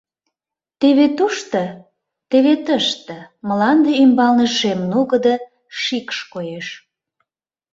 Теве тушто, теве тыште мланде ӱмбалне шем нугыдо шикш коеш.